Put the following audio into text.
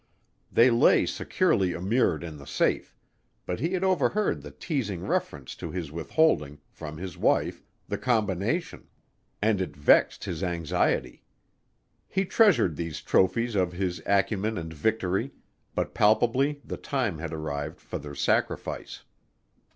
They lay securely immured in the safe, but he had overheard the teasing reference to his withholding, from his wife, the combination and it vexed his anxiety. He treasured these trophies of his acumen and victory, but palpably the time had arrived for their sacrifice.